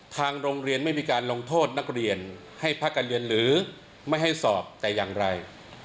ทางโรงเรียนไม่มีการลงโทษนักเรียนให้พักการเรียนหรือไม่ให้สอบแต่อย่างไร